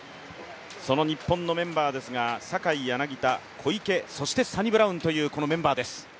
その日本のメンバーですが、坂井、柳田、小池、そしてサニブラウンというこのメンバーです。